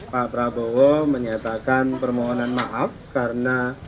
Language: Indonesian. pak prabowo menyatakan permohonan maaf karena